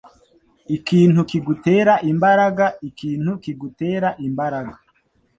ikintu kigutera imbaraga, ikintu kigutera imbaraga.”